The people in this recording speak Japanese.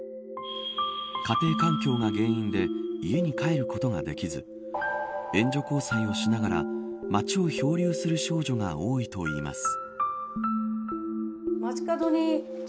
家庭環境が原因で家に帰ることができず援助交際をしながら街を漂流する少女が多いといいます。